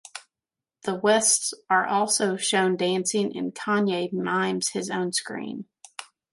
The Wests are also shown dancing and Kanye mimes his own scream.